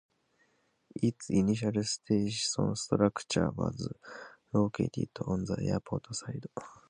Its initial station structure was located on the airport side.